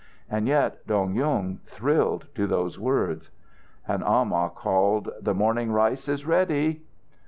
And yet Dong Yung thrilled to those words. An amah called, "The morning rice is ready."